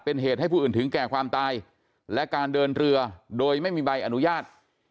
เป็นเหตุให้ผู้อื่นถึงแก่ความตายและการเดินเรือโดยไม่มีใบอนุญาต